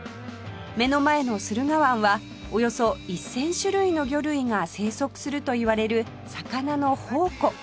目の前の駿河湾はおよそ１０００種類の魚類が生息するといわれる魚の宝庫